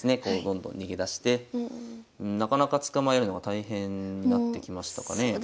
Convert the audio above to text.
こうどんどん逃げ出してなかなか捕まえるのが大変になってきましたかね。